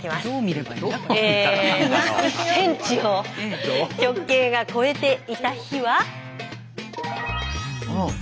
１ｃｍを直径が超えていた日は。